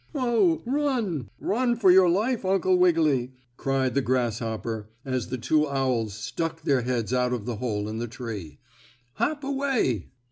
"Oh, run! Run for your life, Uncle Wiggily!" cried the grasshopper, as the two owls stuck their heads out of the hole in the tree. "Hop away!"